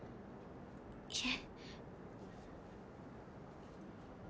いえ。